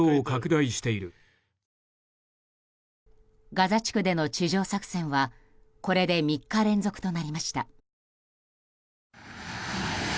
ガザ地区での地上作戦はこれで３日連続となりました。